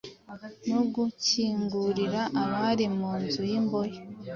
no gukingurira abari mu nzu y’imbohe,